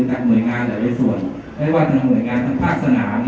จากหมวยงานระวัยส่วนด้วยกว่าทำหมวยงานทั้งภาคสนาม